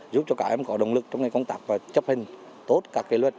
giúp cho các em có động lực trong công tác và chấp hành tốt các luật